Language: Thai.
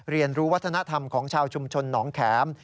เรียนรู้วัฒนธรรมของชาวชุมชนหนองแข็ม